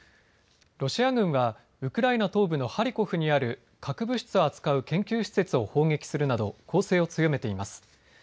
ロシア軍はウクライナ東部のハリコフにある核物質を扱う研究施設を砲撃するなど攻勢を強めています。